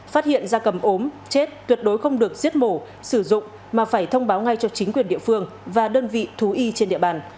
phát hiện da cầm ốm chết tuyệt đối không được giết mổ sử dụng mà phải thông báo ngay cho chính quyền địa phương và đơn vị thú y trên địa bàn